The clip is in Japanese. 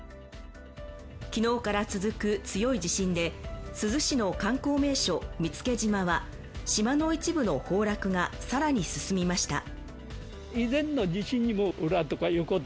昨日から続く強い地震で珠洲市の観光名所、見附島は島の一部の崩落が更に進みました。